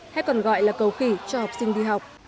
hay còn gọi là cầu khỉ cho học sinh đi học